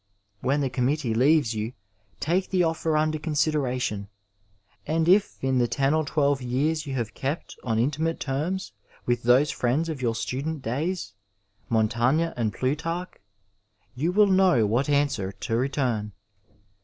When the committee leaves you, take the ofier under consideration, and if in the ten or twelve years you have kept on intimate terms with those friends of your student days, Montaigne and Plutarch, ypu will know what answer to return.